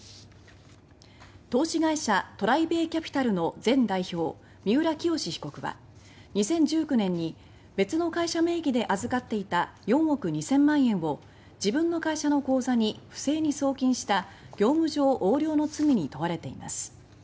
投資会社「ＴＲＩＢＡＹＣＡＰＩＴＡＬ」の前代表、三浦清志被告は２０１９年に別の会社名義で預かっていた４億２０００万円を自分の会社口座に不正に送金した業務上横領の罪に問われています。